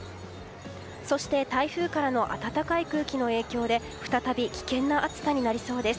そして台風からの暖かい空気の影響で再び危険な暑さになりそうです。